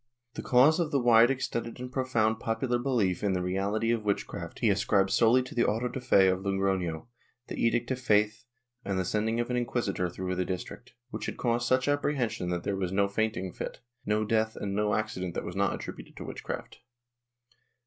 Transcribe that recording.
The cause of the wide extended and profound popular beHef in the reality of witchcraft he ascribes solely to the auto de fe of Logrono, the Edict of Faith and the sending of an inquisitor through the district, which had caused such apprehension that there was no fainting fit, no death and no accident that was not attributed to witchcraft.